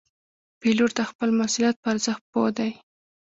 پیلوټ د خپل مسؤلیت په ارزښت پوه دی.